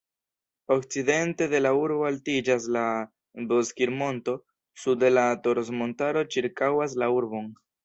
Okcidente de la urbo altiĝas la Bozkir-monto, sude la Toros-montaro ĉirkaŭas la urbon.